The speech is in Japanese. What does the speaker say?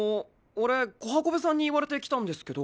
俺小繁縷さんに言われて来たんですけど。